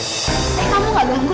eh kamu gak ganggu